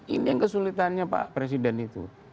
ini yang kesulitannya pak presiden itu